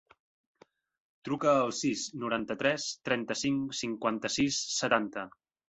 Truca al sis, noranta-tres, trenta-cinc, cinquanta-sis, setanta.